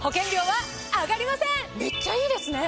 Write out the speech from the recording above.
めっちゃいいですね！